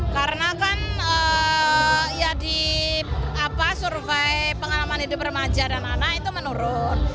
karena kan ya di surabaya pengalaman hidup remaja dan anak itu menurun